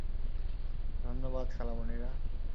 ধন্যবাদ, খালামণিরা।